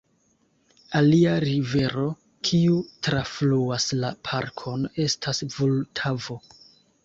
Alia rivero, kiu trafluas la parkon, estas Vultavo.